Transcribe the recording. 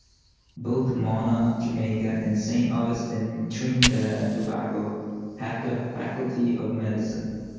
Both Mona, Jamaica, and Saint Augustine, Trinidad and Tobago, have the Faculty of Medicine.